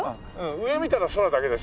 上見たら空だけですね。